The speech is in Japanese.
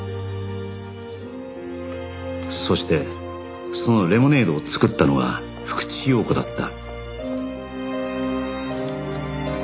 そしてそのレモネードを作ったのが福地陽子だった